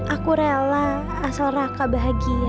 aku rela asal raka bahagia